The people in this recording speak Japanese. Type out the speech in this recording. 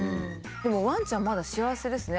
でもワンちゃんまだ幸せですね。